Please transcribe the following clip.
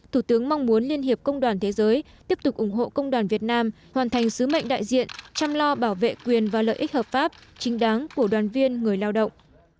thủ tướng mong muốn liên hiệp công đoàn thế giới tiếp tục ủng hộ công đoàn việt nam hoàn thành sứ mệnh đại diện chăm lo bảo vệ quyền và lợi ích hợp pháp chính đáng của đoàn viên người lao động